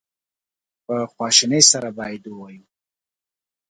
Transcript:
په خواشینی سره باید ووایو.